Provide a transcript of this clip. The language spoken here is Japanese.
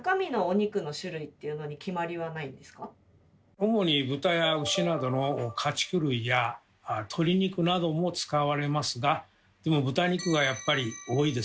主に豚や牛などの家畜類や鶏肉なども使われますがでも豚肉がやっぱり多いですね。